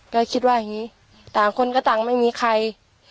ก็คิดว่าอย่างนี้ต่างคนก็ต่างไม่มีใคร